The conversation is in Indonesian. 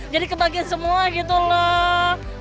jadi kebagian semua gitu loh